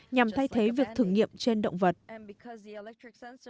nhằm thay thế việc thử nghiệm trên động vật